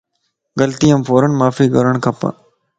غلطيءَ مَ فوران معافي گڙ کپ